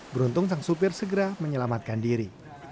beruntung sang supir segera menyelamatkan diri